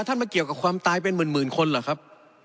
มาเกี่ยวกับความตายเป็นหมื่นคนเหรอครับ